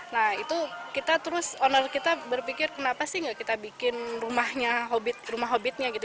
nah itu kita terus owner kita berpikir kenapa sih nggak kita bikin rumahnya rumah hobitnya gitu